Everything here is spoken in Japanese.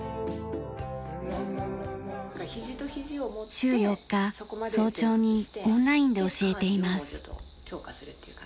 週４日早朝にオンラインで教えています。